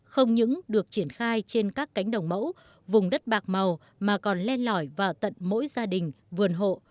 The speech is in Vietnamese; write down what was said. không những được triển khai trên các cánh đồng mẫu vùng đất bạc màu mà còn len lỏi vào tận mỗi gia đình vườn hộ